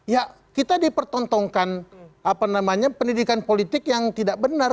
ya kita dipertontonkan pendidikan politik yang tidak benar